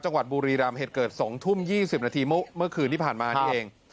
จังหวัดบุรีรามเฮ็ดเกิด๒ทุ่ม๒๐นาทีเมื่อคืนนี้ผ่านมานี่เอง